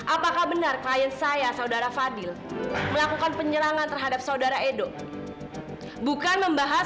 apakah benar klien saya saudara fadil melakukan penyerangan terhadap saudara edo bukan membahas